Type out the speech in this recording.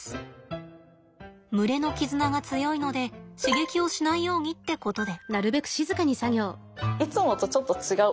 群れの絆が強いので刺激をしないようにってことで。